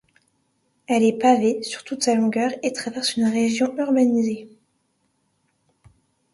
Elle est pavée sur toute sa longueur et traverse une région urbanisée.